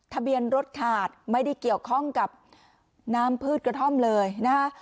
ทะเบียนรถขาดไม่ได้เกี่ยวข้องกับน้ำพืชกระท่อมเลยนะคะ